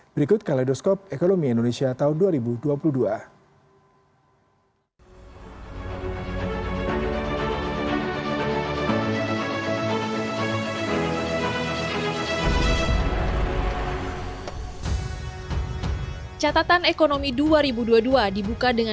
berikut kaledoskop ekonomi indonesia tahun dua ribu dua puluh dua